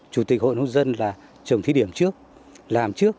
chủ tịch hội nông dân là trồng thí điểm trước làm trước